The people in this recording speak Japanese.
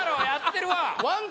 やってるわ。